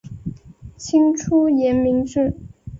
清初沿明制。